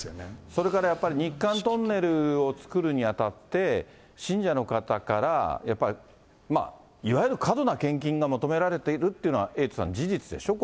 それからやっぱり、日韓トンネルを作るにあたって、信者の方から、やっぱりいわゆる過度な献金が求められているというのは、エイトそうですね。